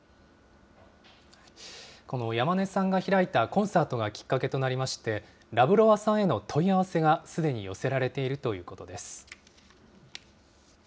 この山根さんが開いたコンサートがきっかけとなりまして、ラブロワさんへの問い合わせがすでに寄せられているということです。